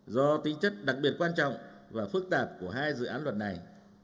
do tính chất đặc biệt quan trọng và phức tạp của hai dự án luật này